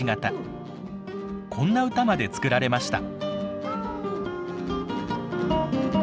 こんな歌まで作られました。